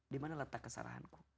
dimana letak kesalahanku